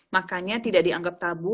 makanya tidak dianggap tabu